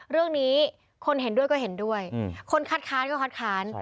เรื่องนี้คนเห็นด้วยก็เห็นด้วยคนคัดค้านก็คัดค้าน